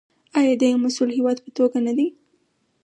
آیا د یو مسوول هیواد په توګه نه دی؟